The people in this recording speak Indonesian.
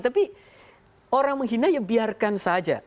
tapi orang menghina ya biarkan saja